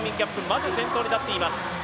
まず先頭に立っています。